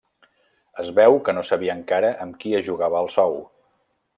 Es veu que no sabia encara amb qui es jugava el sou.